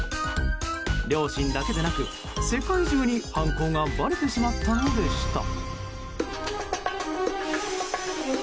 両親だけでなく、世界中に犯行がばれてしまったのでした。